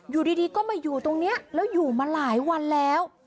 อยู่ดีก็มาอยู่ตรงนี้แล้วอยู่มาหลายวันแล้ว